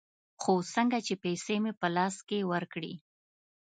خو څنگه چې پيسې مې په لاس کښې ورکړې.